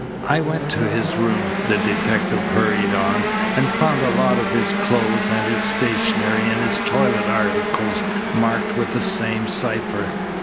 "I went to his room," the detective hurried on, "and found a lot of his clothes and his stationery and his toilet articles marked with the same cipher.